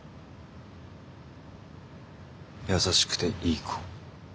優しくていい子。